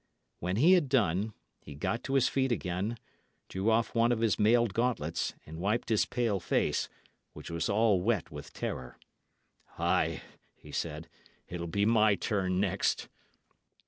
When he had done, he got to his feet again, drew off one of his mailed gauntlets, and wiped his pale face, which was all wet with terror. "Ay," he said, "it'll be my turn next."